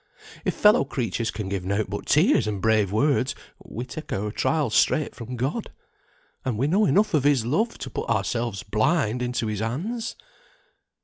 If fellow creatures can give nought but tears and brave words, we take our trials straight from God, and we know enough of His love to put ourselves blind into His hands.